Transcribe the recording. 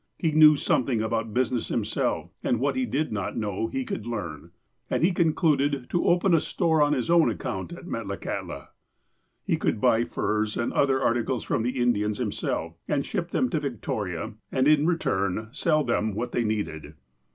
He knew something about business himself, and what he did not know, he could learn. And he concluded to open a^ store on his own account at Metlakahtla. He could buy furs, and other articles from the Indians himself, and ship them to Victoria, and, in return, sell them what they needed.